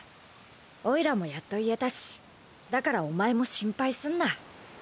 オイラもやっと言えたしだからお前も心配すんな。